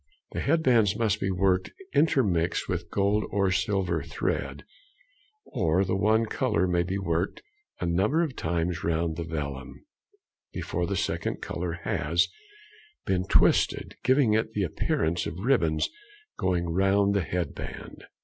The head bands may be worked intermixed with gold or silver thread, or the one colour may be worked a number of times round the vellum, before the second colour has |86| been twisted, giving it the appearance of ribbons going round the head band.